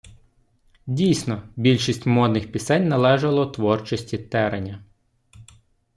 Дійсно, більшість модних пісень належало творчості Тереня.